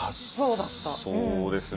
そうですね。